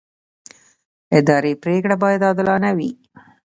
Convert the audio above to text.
اداري پرېکړه باید عادلانه وي.